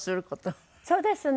そうですね。